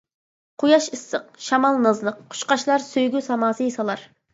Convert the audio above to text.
قۇياش ئىسسىق، شامال نازلىق، قۇشقاچلار سۆيگۈ ساماسى سالار.